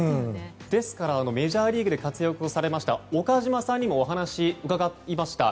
メジャーリーグで活躍されました岡島さんにもお話を伺いました。